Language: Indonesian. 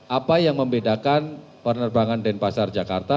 apa yang membedakan penerbangan denpasar jakarta